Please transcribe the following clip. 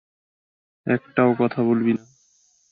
একটাও কথা বলবি না।